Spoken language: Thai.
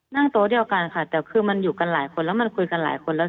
นั่งโต๊ะเดียวกันค่ะแต่คือมันอยู่กันหลายคนแล้วมันคุยกันหลายคนแล้ว